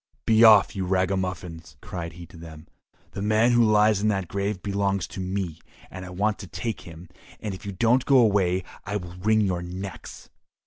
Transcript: "Be off, you ragamuffins!" cried he to them, "the man who lies in that grave belongs to me; I want to take him, and if you don't go away I will wring your necks!"